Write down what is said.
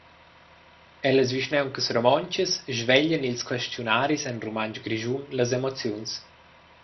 Ellas vischnauncas romontschas sveglian ils questiunaris en rumantsch grischun las emoziuns.